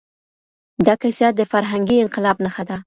دا کیسه د فرهنګي انقلاب نښه ده.